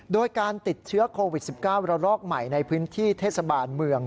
โดยการติดเชื้อโควิด๑๙ระลอกใหม่ในพื้นที่เทศบาลเมือง